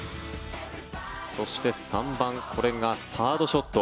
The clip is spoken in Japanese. そして３番これがサードショット。